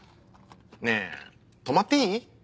ねぇ泊まっていい？